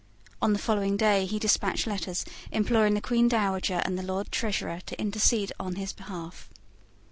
On the following day he despatched letters, imploring the Queen Dowager and the Lord Treasurer to intercede in his behalf.